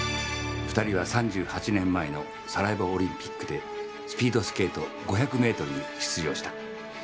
２人は、３８年前のサラエボオリンピックでスピードスケート５００ｍに出場した。